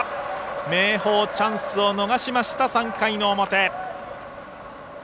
明豊、チャンスを逃しました３回の表。